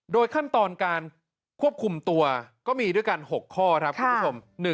ขั้นตอนการควบคุมตัวก็มีด้วยกัน๖ข้อครับคุณผู้ชม